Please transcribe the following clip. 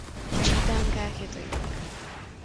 V čítankách je to jinak.